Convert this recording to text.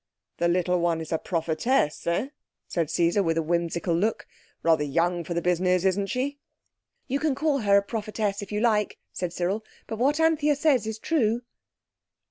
"The little one is a prophetess, eh?" said Caesar, with a whimsical look. "Rather young for the business, isn't she?" "You can call her a prophetess if you like," said Cyril, "but what Anthea says is true."